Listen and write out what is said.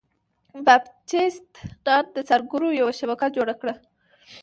باپټیست نان د څارګرو یوه شبکه جوړه کړه.